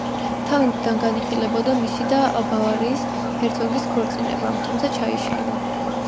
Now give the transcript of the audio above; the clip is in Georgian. თავიდან განიხილებოდა მისი და ბავარიის ჰერცოგის ქორწინება, თუმცა ჩაიშალა.